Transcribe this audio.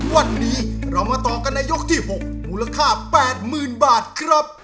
วันนี้เรามาต่อกันในยกที่๖มูลค่า๘๐๐๐บาทครับ